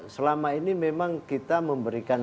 selama ini memang kita memberikan